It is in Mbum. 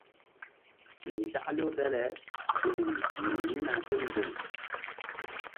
Nzaklew dale gunri yi̧h yi̧hna kémboŋ.